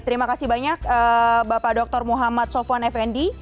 terima kasih banyak bapak dr muhammad sofwan effendi